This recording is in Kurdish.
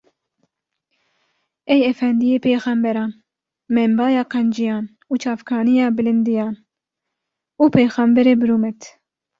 Ey efendiyê pêxemberan, menbaya qenciyan û çavkaniya bilindiyan û pêxemberê bi rûmet!